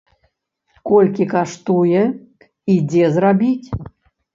Колькі каштуе і дзе зрабіць?